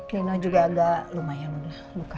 nena juga agak lumayan udah